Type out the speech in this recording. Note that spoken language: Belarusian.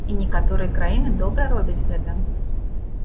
І некаторыя краіны добра робяць гэта.